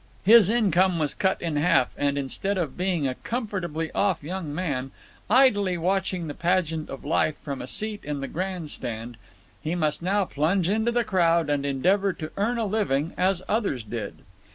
His income was cut in half, and instead of being a comfortably off young man, idly watching the pageant of life from a seat in the grand stand, he must now plunge into the crowd and endeavour to earn a living as others did.